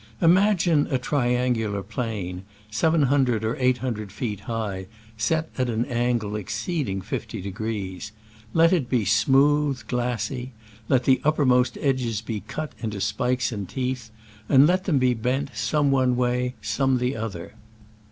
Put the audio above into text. Imagine a triangular plane seven hundred or eight hundred feet high, set at an angle exceeding 50° ; let it be smooth, glassy ; let the uppermost edges be cut into spikes and teeth, and let them be bent, some one way, some another.